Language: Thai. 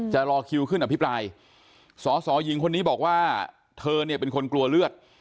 รอคิวขึ้นอภิปรายสอสอหญิงคนนี้บอกว่าเธอเนี่ยเป็นคนกลัวเลือด